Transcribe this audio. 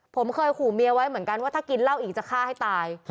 ผมเคยขู่เมียไว้เหมือนกันว่าถ้ากินเหล้าอีกจะฆ่าให้ตาย